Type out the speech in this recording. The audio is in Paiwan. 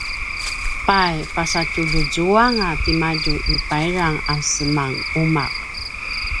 pay pasatjaljuzuanga timadju i payrang a semanuma’